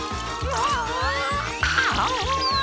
ああ。